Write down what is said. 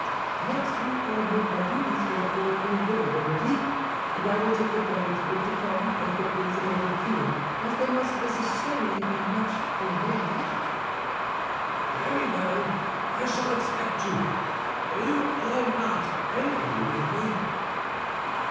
"Next week I hope my duties will afford me a little liberty, and I will take advantage of it to come and put things in order here, as they must necessarily be much deranged." "Very well; I shall expect you. You are not angry with me?"